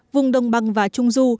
vùng đồng bằng và trung du